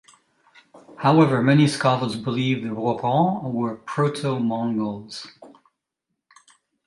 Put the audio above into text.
However, many scholars believe the Rouran were proto-Mongols.